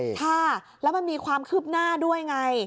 ค่ะแล้วมันมีความคืบหน้าด้วยไง